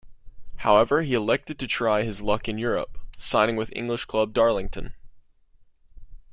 However, he elected to try his luck in Europe, signing with English club Darlington.